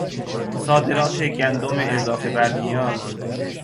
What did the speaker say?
صادرات گندم اضافه برنیاز